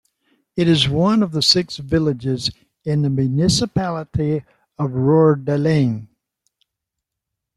It is one of the six villages in the municipality of Roerdalen.